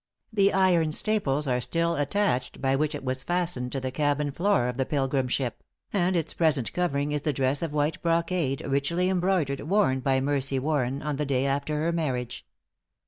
The iron staples are still attached, by which it was fastened to the cabin floor of the Pilgrim ship; and its present covering is the dress of white brocade richly embroidered, worn by Mercy Warren on the day after her marriage.